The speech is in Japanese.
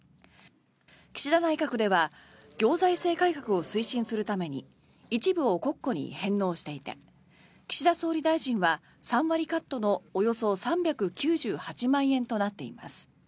岸田内閣では行財政改革を推進するために一部を国庫に返納していて岸田総理大臣は３割カットのおよそ３９８万円となっています。